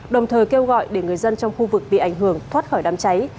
đồng thời kêu gọi để người dân trong khu vực bị ảnh hưởng thoát khỏi đám cháy